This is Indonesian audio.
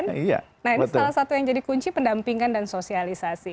nah ini salah satu yang jadi kunci pendampingan dan sosialisasi